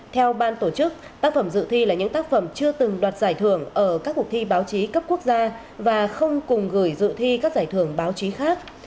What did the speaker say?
theo ban tổ chức tác phẩm dự thi là những tác phẩm chưa từng đoạt giải thưởng ở các cuộc thi báo chí cấp quốc gia và không cùng gửi dự thi các giải thưởng báo chí khác